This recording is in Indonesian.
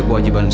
aku mau berhenti